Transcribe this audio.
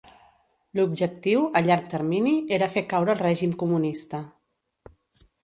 L'objectiu, a llarg termini, era fer caure el règim comunista.